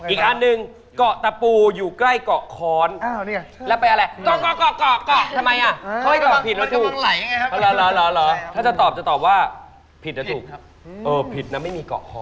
อีกอันนึงเกาะตะปูอยู่ใกล้เกาะคอนแล้วเป็นอะไรเกาะ